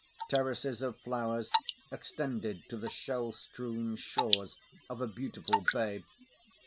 Terraces of flowers extended to the shell strewn shores of a beautiful bay.